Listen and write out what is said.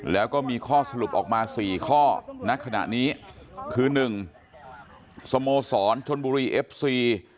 แล้วก็มีข้อสรุปออกมา๔ข้อณขณะนี้คือ๑สโมสรชนบุรีเอฟซี